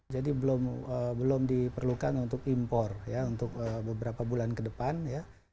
jadi belum diperlukan untuk impor ya untuk beberapa bulan ke depan ya